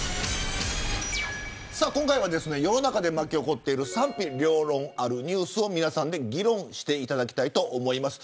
今回は世の中で巻き起こっている賛否両論あるニュースをみなさんで議論していただきたいと思います。